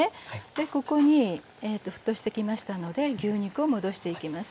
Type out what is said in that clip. でここに沸騰してきましたので牛肉を戻していきます。